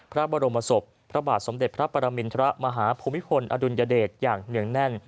พระบรมศพพระบาทสมเด็จพระปรมินทรมาฮภูมิพลอดุลยเดชอย่างเนื่องแน่น